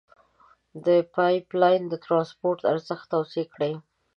د پایپ لین د ترانسپورت ارزښت توضیع کړئ.